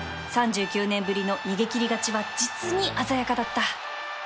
３９年ぶりの逃げ切り勝ちは実に鮮やかだった